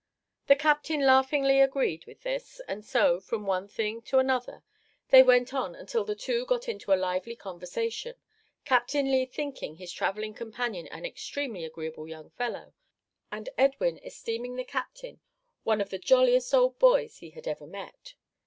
The captain laughingly agreed with this, and so, from one thing to another, they went on until the two got into a lively conversation Captain Lee thinking his travelling companion an extremely agreeable young fellow, and Edwin esteeming the captain one of the jolliest old boys he had ever met!